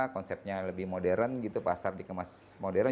konsepnya lebih modern gitu pasar dikemas modern